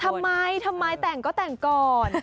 ทำไมทำไมแต่งก็แต่งก่อน